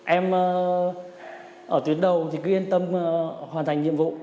em ở tuyến đầu thì cứ yên tâm hoàn thành nhiệm vụ